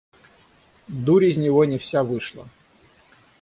Дурь из него не вся вышла.